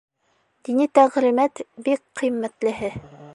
Дини тәғлимәт — бик ҡиммәтлеһе.